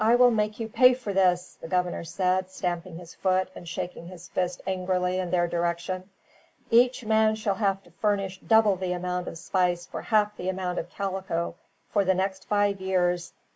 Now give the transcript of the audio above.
"I will make you pay for this," the governor said, stamping his foot and shaking his fist angrily in their direction. "Each man shall have to furnish double the amount of spice for half the amount of calico, for the next five years.